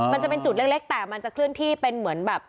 มันจะเป็นจุดเล็กแต่มันจะเคลื่อนที่เป็นเหมือนแบบ